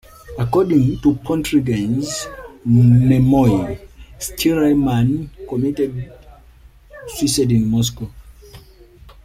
According to Pontryagin's memoir, Schnirelmann committed suicide in Moscow.